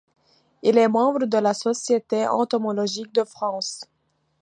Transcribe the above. Il est membre de la Société Entomologique de France.